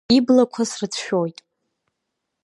Иблақәа срыцәшәоит…